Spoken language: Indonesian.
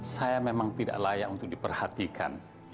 saya memang tidak layak untuk diperhatikan